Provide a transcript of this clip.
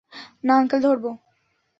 না আঙ্কেল, ধরব।